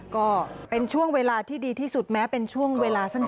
ก็เป็นช่วงเวลาที่ดีที่สุดแม้เป็นช่วงเวลาสั้น